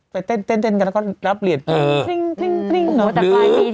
ไปเต้นเต้นเต้นกันแล้วก็รับเหรียญแบบนั้นนรม